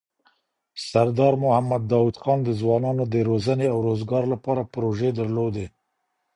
سردار محمد داود خان د ځوانانو د روزنې او روزګار لپاره پروژې درلودې.